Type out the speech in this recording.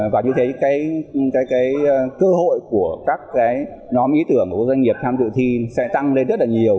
và như thế cơ hội của các nhóm ý tưởng của các doanh nghiệp tham dự thi sẽ tăng lên rất nhiều